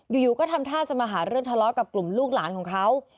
อยู่ก็ทำท่าจะมาหาเรื่องทะเลาะกับกลุ่มลูกหลานของเขา